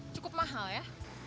cukup mahal ya